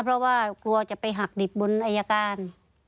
เพราะว่ากลัวจะไปหักดิบบนอายการ